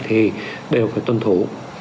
thì đều phải tuân thủ